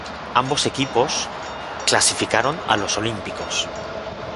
Ambos equipos clasificaron a los olímpicos.